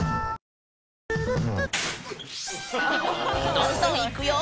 どんどんいくよ！